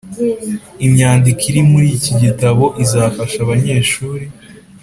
Imyandiko iri muri iki gitabo izafasha abanyeshuri